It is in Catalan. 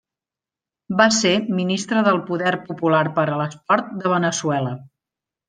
Va ser Ministra del Poder Popular per a l'Esport de Veneçuela.